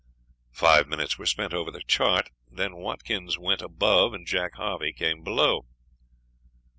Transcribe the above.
Five minutes were spent over the chart, then Watkins went above and Jack Harvey came below.